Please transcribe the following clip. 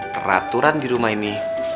peraturan di rumah ini